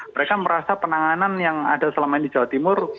mereka merasa penanganan yang ada selama ini di jawa timur